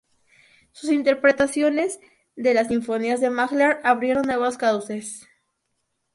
Sus interpretaciones de las sinfonías de Mahler abrieron nuevos cauces.